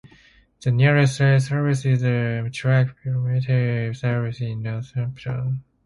The nearest rail service is the Amtrak Vermonter service in Northampton.